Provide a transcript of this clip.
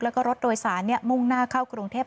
แล้วก็รถโดยสารมุ่งหน้าเข้ากรุงเทพ